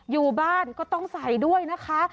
อยู่บ้านก็ต้องใส่ด้วยนะคะ